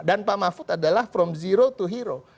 dan pak mahfud adalah from zero to hero